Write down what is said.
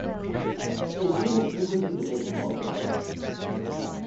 It is used in Frequency division multiplexing.